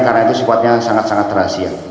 karena itu sifatnya sangat sangat rahasia